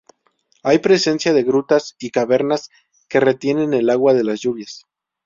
Hay presencia de grutas y cavernas que retienen el agua de las lluvias.